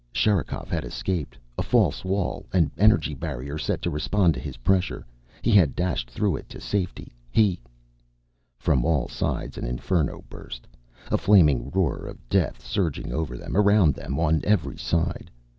Sherikov had escaped. A false wall, an energy barrier set to respond to his pressure. He had dashed through it to safety. He From all sides an inferno burst, a flaming roar of death surging over them, around them, on every side.